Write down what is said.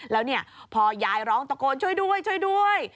แล้วพอยายร้องตกโกนช่วยด้วย